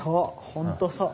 本当そう。